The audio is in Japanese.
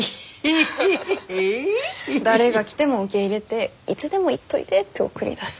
誰が来ても受け入れていつでも行っといでって送り出す。